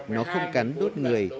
nó không cắn đốt người